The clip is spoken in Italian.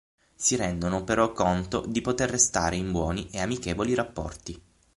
Si rendono però conto di poter restare in buoni e amichevoli rapporti.